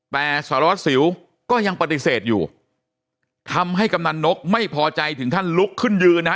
แต่สารวัสสิวก็ยังปฏิเสธอยู่ทำให้กำนันนกไม่พอใจถึงขั้นลุกขึ้นยืนนะฮะ